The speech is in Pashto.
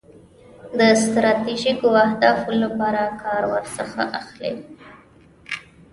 د ستراتیژیکو اهدافو لپاره کار ورڅخه اخلي.